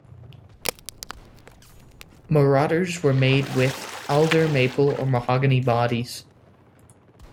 Marauders were made with alder, maple, or mahogany bodies.